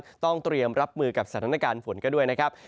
ต้องเตรียมรับมือกับสถานการณ์ฝนกันด้วยนะครับ